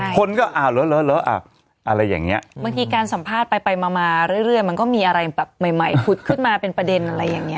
คนก็อ้าวเหรออะไรอย่างนี้บางทีการสัมภาษณ์ไปไปมาเรื่อยมันก็มีอะไรแบบใหม่ผุดขึ้นมาเป็นประเด็นอะไรอย่างนี้